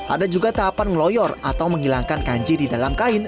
ada juga tahapan ngeloyor atau menghilangkan kanji di dalam kain